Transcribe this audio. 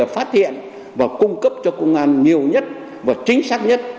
phát hiện và cung cấp cho công an nhiều nhất và chính xác nhất